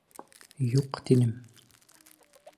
Юҡ, тинем.